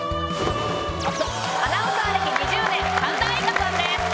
アナウンサー歴２０年神田愛花さんです。